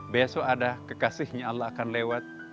besok ada kekasihnya allah akan lewat